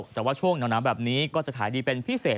แต่ว่าช่วงหนาวแบบนี้ก็จะขายดีเป็นพิเศษ